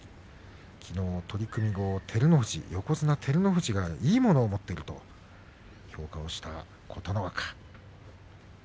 きのうも取組後横綱照ノ富士がいいもの持っていると評価した琴ノ若。